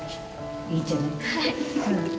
いいんじゃない？